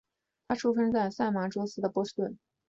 他出生在麻萨诸塞州的波士顿。